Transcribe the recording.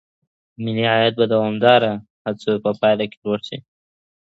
ملي عاید به د دوامداره هڅو په پایله کي لوړ سي.